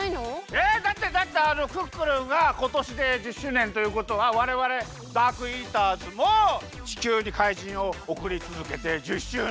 えっだってだってクックルンがことしで１０周年ということはわれわれダークイーターズも地球に怪人をおくりつづけて１０周年！